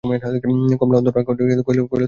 কমলা অত্যন্ত রাগ করিয়া কহিল, যাও, তুমি ভারি দুষ্ট!